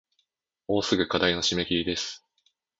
もうすぐ課題の締切です